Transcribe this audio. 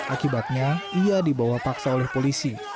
akibatnya ia dibawa paksa oleh polisi